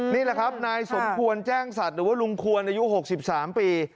นี่แหละครับนายสมควรแจ้งสัตว์หรือว่าลุงควรอายุ๖๓ปี